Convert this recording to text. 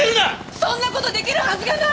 そんな事できるはずがない！